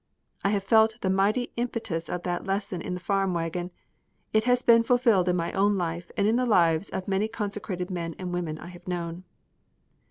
I have felt the mighty impetus of that lesson in the farm waggon. It has been fulfilled in my own life and in the lives of many consecrated men and women I have known.